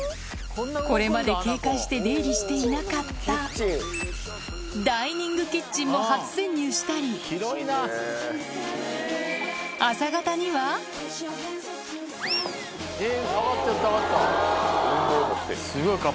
これまで警戒して出入りしていなかったダイニングキッチンも初潜入したり朝方にはえっ上がってった上がったすごい活発。